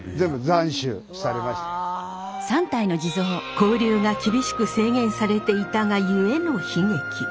交流が厳しく制限されていたがゆえの悲劇。